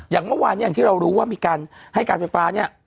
อย่างเมื่อวานอย่างที่เรารู้ว่ามีการให้การไฟฟ้าเนี่ย